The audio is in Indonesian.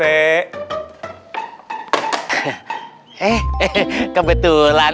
eh eh kebetulan